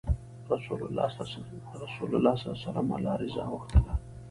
رسول الله ﷺ الله رضا غوښتله.